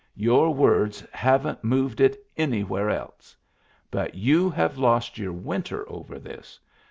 Your words haven't moved it anywhere else. But you have lost your winter over this.